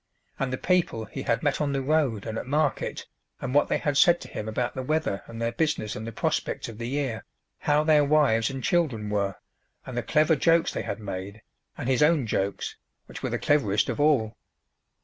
And the people he had met on the road and at market, and what they had said to him about the weather and their business and the prospects of the year, how their wives and children were, and the clever jokes they had made, and his own jokes, which were the cleverest of all.